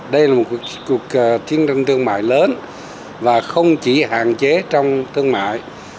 đây là một cuộc chiến thương mại lớn và không chỉ hạn chế trong thương mại